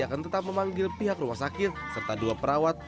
akan tetap memanggil pihak rumah sakit serta dua perawat